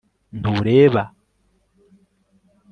ntureba